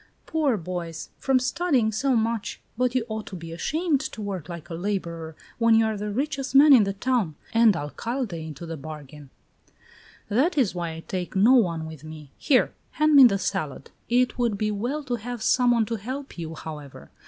"Poor boys! From studying so much! But you ought to be ashamed to work like a laborer, when you are the richest man in the town, and Alcalde into the bargain." "That is why I take no one with me. Here, hand me that salad!" "It would be well to have some one to help you, however.